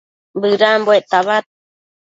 bëdambuec tabad